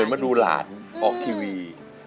เหมือนมาดูหลานออกทีวี